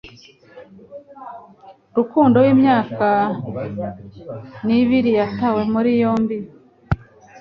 Rukundo w'imyaka nibiri yatawe muri yombi